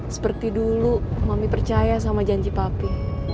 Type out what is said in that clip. seperti dulu mami percaya sama janji papi